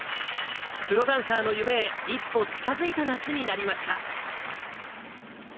プロダンサーの夢へ、一歩近づいた夏になりました。